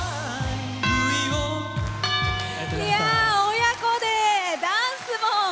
親子でダンスも。